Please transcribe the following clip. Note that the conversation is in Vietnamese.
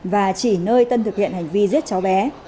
và chỉ nơi tân thực hiện hành vi giết cháu bé